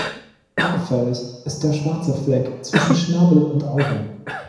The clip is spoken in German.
Auffällig ist der schwarze Fleck zwischen Schnabel und Auge.